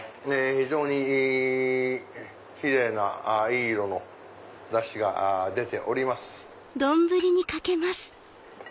非常にキレイないい色のダシが出ております。